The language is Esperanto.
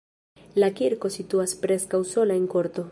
La kirko situas preskaŭ sola en korto.